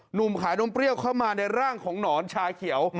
หนุ่มขายนมเปรี้ยวเข้ามาในร่างของหนอนชาเขียว